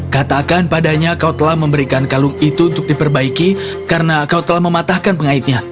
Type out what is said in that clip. katakan padanya kau telah memberikan kalung itu untuk diperbaiki karena kau telah mematahkan pengaitnya